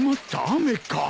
雨か。